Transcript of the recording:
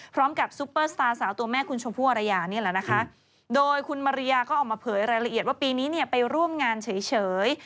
ซุปเปอร์สตาร์สาวตัวแม่คุณชมพู่อรยานี่แหละนะคะโดยคุณมาริยาก็ออกมาเผยรายละเอียดว่าปีนี้เนี่ยไปร่วมงานเฉย